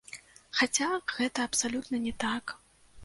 Хаця, гэта абсалютна не так.